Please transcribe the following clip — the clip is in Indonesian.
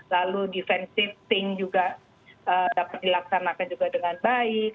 lalu defensive think juga dapat dilaksanakan juga dengan baik